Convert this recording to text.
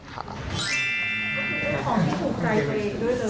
ก็คือของที่ถูกใจตัวเองด้วยเลย